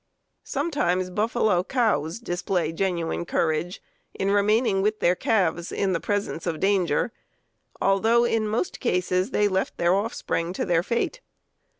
Sometimes buffalo cows display genuine courage in remaining with their calves in the presence of danger, although in most cases they left their offspring to their fate.